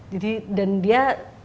jadi dan dia